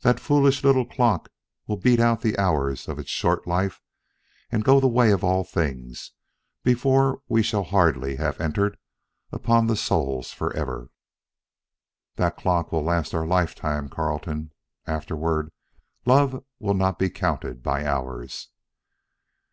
That foolish little clock will beat out the hours of its short life and go the way of all things, before we shall hardly have entered upon the soul's 'forever.'" "That clock will last our lifetime, Carleton. Afterward, love will not be counted by hours."